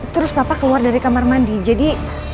terus bapak keluar dari kamar mandi jadi